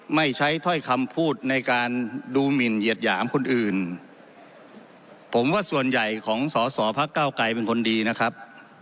ไม่ใช้ถ้อยคำพูดในการดูหมินเหยียดหยามคนอื่นผมว่าส่วนใหญ่ของสอสอพักเก้าไกรเป็นคนดีนะครับ